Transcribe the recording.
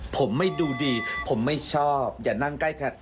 ผมไม่ดูดีผมไม่ชอบอย่านั่งใกล้